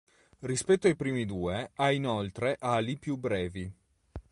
Rispetto ai primi due ha inoltre ali più brevi.